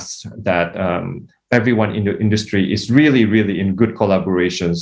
semua orang di industri ini benar benar berkolaborasi yang baik